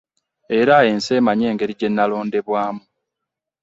Era ensi emanyi engeri gye nalondebwamu.